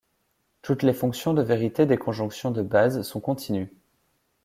Toutes les fonctions de vérité des conjonctions de base sont continues.